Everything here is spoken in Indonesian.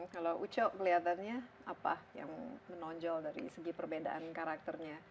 kalau uco kelihatannya apa yang menonjol dari segi perbedaan karakternya